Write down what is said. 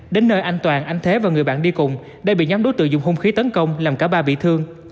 đến nơi anh toàn anh thế và người bạn đi cùng đã bị nhóm đối tượng dùng hung khí tấn công làm cả ba bị thương